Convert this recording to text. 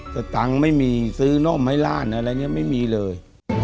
สตังค์ไม่มีซื้อนมให้ร่านอะไรเนี่ยไม่มีเลย